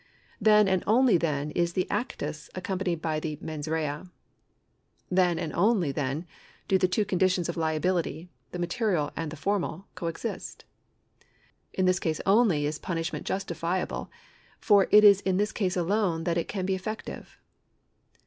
Then and only then is the actus accompanied by the me7is rea. Then and then only do the two conditions of lia bility, the material and the formal, co exist. In this case only is punishment justifiable, for it is in this case alone that it can be effective.